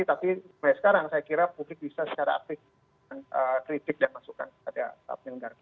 tapi sampai sekarang saya kira publik bisa secara aktif kritik dan masukkan pada saat ini